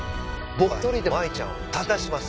僕は１人でも舞ちゃんを助け出します！